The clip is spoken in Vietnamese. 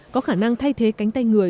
có khả năng thay thế cánh tay người